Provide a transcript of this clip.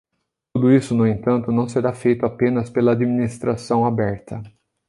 Tudo isso, no entanto, não será feito apenas pela Administração Aberta.